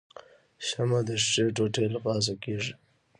شمع د ښيښې ټوټې له پاسه کیږدئ.